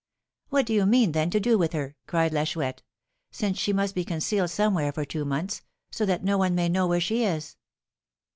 'What do you mean, then, to do with her,' cried La Chouette, 'since she must be concealed somewhere for two months, so that no one may know where she is?'